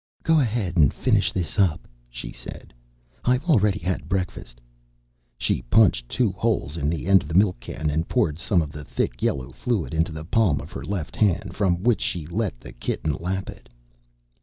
"Go ahead and finish this up," she said. "I've already had breakfast." She punched two holes in the end of the milk can, and poured some of the thick yellow fluid into the palm of her left hand, from which she let the kitten lap it.